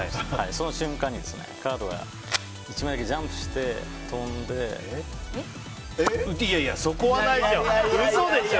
その瞬間に、カードが１枚だけジャンプして飛んでいやいや、そこはないでしょ。